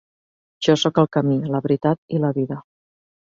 Jo soc el camí, la veritat i la vida.